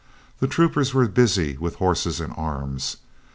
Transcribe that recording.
The troopers were busy with horses and arms.